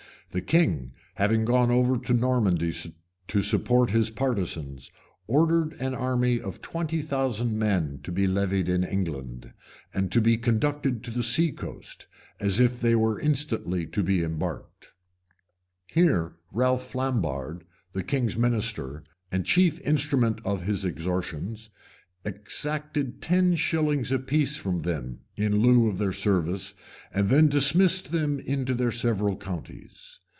The king, having gone over to Normandy to support his partisans, ordered an army of twenty thousand men to be levied in England, and to be conducted to the sea coast, as if they were instantly to be embarked. {1094.} Here Ralph Flambard, the king's minister, and the chief instrument of his extortions, exacted ten shillings apiece from them, in lieu of their service, and then dismissed them into their several counties.